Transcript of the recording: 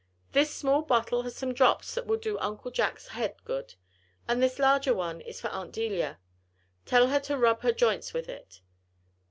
"This small bottle has some drops that will do Uncle Jack's head good; and this larger one is for Aunt Delia. Tell her to rub her joints with it.